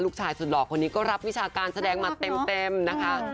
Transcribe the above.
ลูกชายสุดหล่อคนนี้ก็รับวิชาการแสดงมาเต็มนะคะ